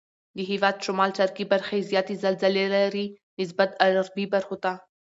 د هېواد شمال شرقي برخې زیاتې زلزلې لري نسبت غربي برخو ته.